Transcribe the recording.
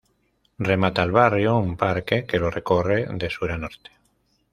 Remata el barrio un parque que lo recorre de sur a norte.